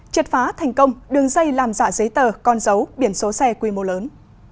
triệt phá thành công đường dây làm dạ giấy tờ con dấu biển số xe quy mô lớn